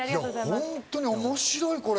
本当に面白い！